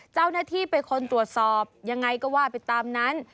เจ้าหน้าที่เป็นคนตรวจสอบยังไงก็ว่าไปตามนั้น